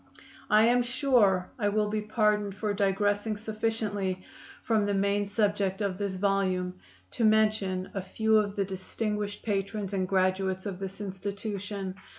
I am sure I will be pardoned for digressing sufficiently from the main subject of this volume to mention a few of the distinguished patrons and graduates of this institution.